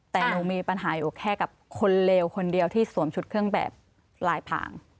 แต่หนูมีปัญหาอยู่แค่กับคนเลวคนเดียวที่สวมชุดเครื่องแบบลายผาง